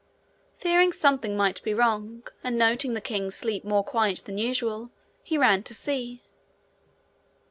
Fearing something might be wrong, and noting the king's sleep more quiet than usual, he ran to see.